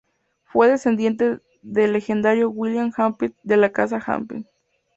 Fue descendiente del legendario William Hampden, de la Casa Hampden.